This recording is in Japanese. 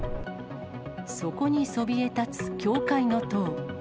そこにそびえ立つ教会の塔。